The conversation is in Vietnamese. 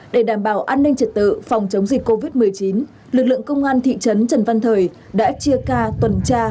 để đảm bảo an ninh trật tự phòng chống dịch covid một mươi chín lực lượng công an thị trấn trần văn thời đã chia ca tuần tra